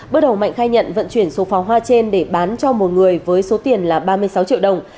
bước đầu mạnh khai nhận vận chuyển số pháo hoa trên để bán cho một người với số tiền là ba mươi sáu triệu đồng